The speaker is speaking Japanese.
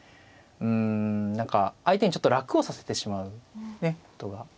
うん何か相手にちょっと楽をさせてしまうことが。